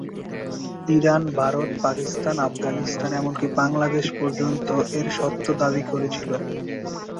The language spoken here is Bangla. ইরান, ভারত, পাকিস্তান, আফগানিস্তান, এমনকি বাংলাদেশ পর্যন্ত এর সত্ত্ব দাবি করেছিল।